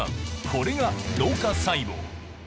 これが老化細胞。